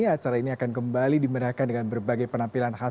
acara ini akan kembali dimerahkan dengan berbagai penampilan